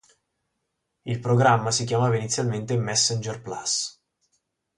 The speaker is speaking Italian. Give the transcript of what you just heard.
Il programma si chiamava inizialmente "Messenger Plus!